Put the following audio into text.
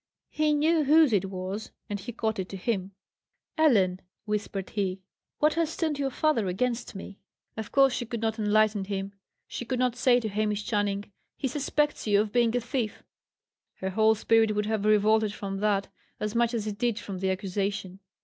He knew whose it was, and he caught it to him. "Ellen," he whispered, "what has turned your father against me?" Of course she could not enlighten him; she could not say to Hamish Channing, "He suspects you of being a thief." Her whole spirit would have revolted from that, as much as it did from the accusation.